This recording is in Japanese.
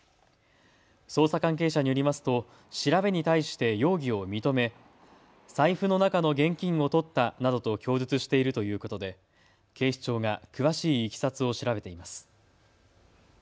捜査関係者によりますと調べに対して容疑を認め財布の中の現金をとったなどと供述しているということで警視庁が詳しいいきさつを調べています。